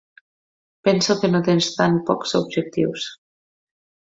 Penso que no tens tan pocs objectius.